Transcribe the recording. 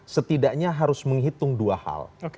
setidaknya harus menghitung dua hal